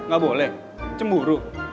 gak boleh cemburu